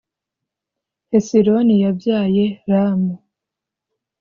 Hesironi yabyaye Ramu,